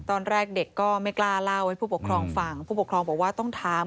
ตอนแรกเด็กก็ไม่กล้าเล่าให้ผู้ปกครองฟังผู้ปกครองบอกว่าต้องถาม